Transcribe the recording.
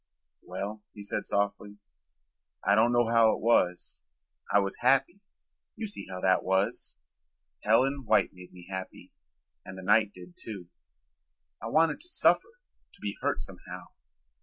"Well," he said softly, "I don't know how it was. I was happy. You see how that was. Helen White made me happy and the night did too. I wanted to suffer, to be hurt somehow.